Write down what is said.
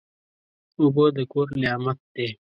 اوبه د کور نعمت دی.